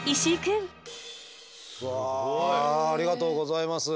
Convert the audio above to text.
ありがとうございます。